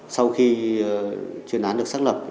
sau khi chuyên án được xác lập